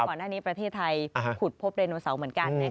ก่อนหน้านี้ประเทศไทยขุดพบไดโนเสาร์เหมือนกัน